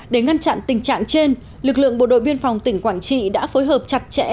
để ngăn chặn tình trạng trên lực lượng bộ đội biên phòng tỉnh quảng trị đã phối hợp chặt chẽ